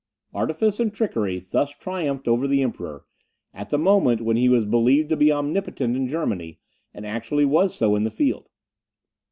Artifice and trickery thus triumphed over the Emperor, at the moment when he was believed to be omnipotent in Germany, and actually was so in the field.